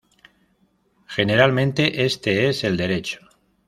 Generalmente este es el derecho.